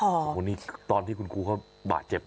อันนี้ตอนที่คุณครูเขาบาดเจ็บแล้ว